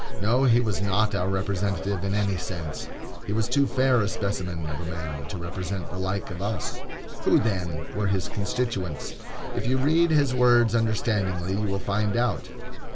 No, he was not our representative in any sense. He was too fair a specimen of a man to represent the like of us. Who, then, were his constituents? If you read his words understandingly you will find out.